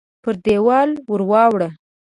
پر دېوال ورواړوه !